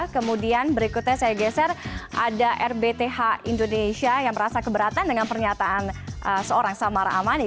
kemudian berikutnya saya geser ada rbth indonesia yang merasa keberatan dengan pernyataan seorang samara amani